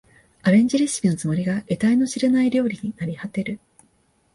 アレンジレシピのつもりが得体の知れない料理になりはてる